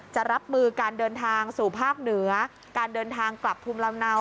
จะรับมือการเดินทางสู่ภาคเหนือการเดินทางกลับภูมิลำเนา